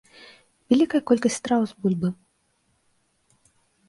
Вялікая колькасць страў з бульбы.